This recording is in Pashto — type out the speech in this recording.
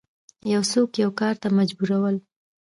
یو څوک یو کار ته مجبورول